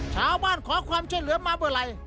ชาวบ้านขอความช่วยเหลือมาเบอร์ไร